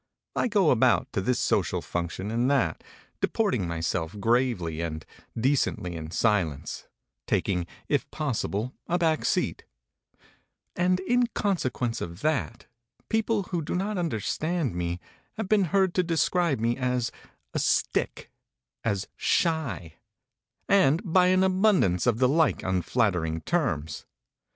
I go about to this social function and that, deporting myself gravely and decently in silence, taking, if possible, a back seat; and, in consequence of that, people who do not understand me have been heard to describe me as a "stick," as "shy," and by an abundance of the like unflattering terms.